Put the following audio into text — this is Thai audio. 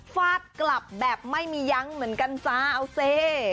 ฟาดกลับแบบไม่มียั้งเหมือนกันจ้าเอาสิ